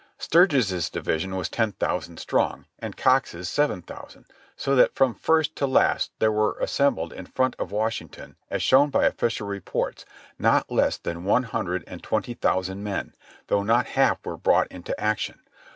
Sturgis's division was ten thousand strong, and Cox's seven thousand, so that from first to last there were assembled in front of Washington, as shown by official reports, not less than one hundred and twenty thousand men, though not half were brought into action.